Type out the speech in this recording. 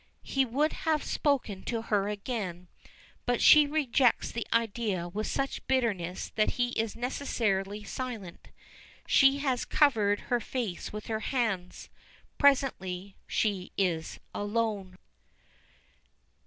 He would have spoken to her again, but she rejects the idea with such bitterness that he is necessarily silent. She has covered her face with her hands. Presently she is alone.